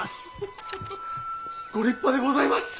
ご立派でございます！